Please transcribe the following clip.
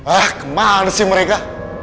ah kemarin sih mereka